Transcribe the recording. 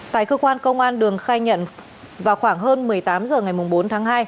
tại cơ quan công an đường khai nhận vào khoảng hơn một mươi tám h ngày bốn tháng hai